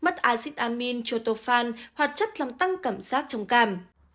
mất acetamin trotofan hoặc chất làm tăng cảm giác trồng cảm